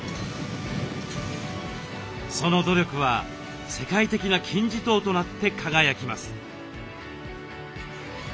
その努力は世界的な金字塔となって輝きます。